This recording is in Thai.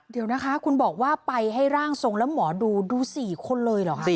เดี๋ยวนะคะคุณบอกว่าไปให้ร่างทรงแล้วหมอดูดู๔คนเลยเหรอคะ